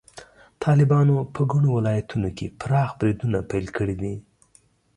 طالبانو په ګڼو ولایتونو کې پراخ بریدونه پیل کړي دي.